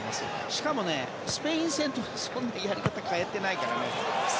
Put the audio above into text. しかもスペイン戦とそんなにやり方変えていないからね。